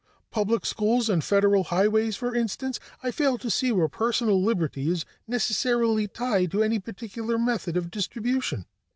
Public schools and federal highways, for instance. I fail to see where personal liberty is necessarily tied to any particular method of distribution."